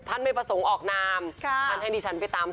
พ่อไม่เจ็มเขามาไม่เจ็ม